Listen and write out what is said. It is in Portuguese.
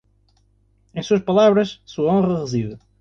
Em suas palavras, sua honra reside.